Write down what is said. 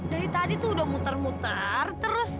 dari tadi tuh udah muter muter